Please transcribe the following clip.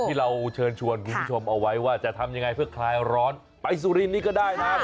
ที่เราเชิญชวนคุณผู้ชมเอาไว้ว่าจะทำยังไงเพื่อคลายร้อนไปสุรินนี่ก็ได้นะ